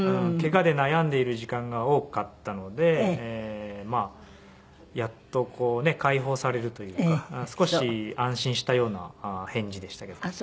ケガで悩んでいる時間が多かったのでまあやっとこうね解放されるというか少し安心したような返事でしたけど。